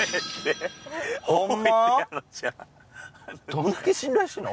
どんだけ信頼しとんの？